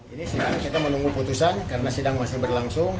ini sedang kita menunggu putusan karena sidang masih berlangsung